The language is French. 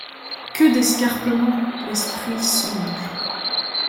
Que d’escarpements ! L’esprit songe